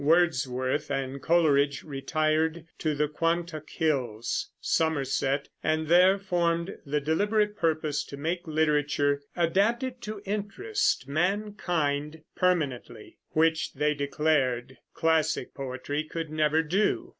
Wordsworth and Coleridge retired to the Quantock Hills, Somerset, and there formed the deliberate purpose to make literature "adapted to interest mankind permanently," which, they declared, classic poetry could never do.